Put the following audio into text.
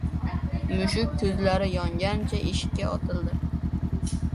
Mushuk ko‘zlari yongancha eshikka otildi.